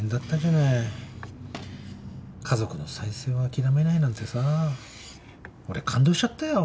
家族の再生を諦めないなんてさ俺感動しちゃったよ。